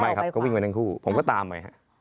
ครับก็วิ่งไปทั้งคู่ผมก็ตามไป